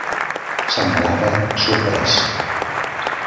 Semblava sorprès.